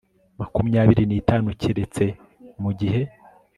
makumyabiri n itanu keretse mu gihe